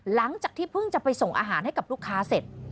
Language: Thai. หลังจากที่เพิ่งจะไปส่งอาหารให้กับลูกค้าเสร็จ